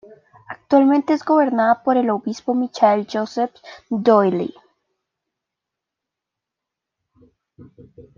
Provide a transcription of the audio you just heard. Actualmente está gobernada por el obispo Michael Joseph Dooley.